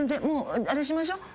もうあれしましょ。